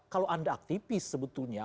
kalau anda aktivis sebetulnya